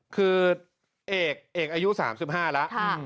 คือเอกเอกอายุ๓๕แล้ว